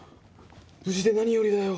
無事で何よりだよ。